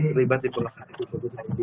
terlibat di pulau pulau lain